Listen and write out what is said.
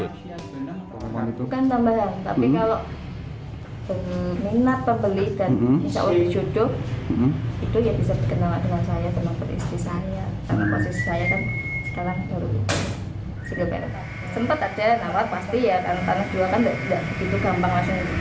dan juga memiliki dua anak tersebut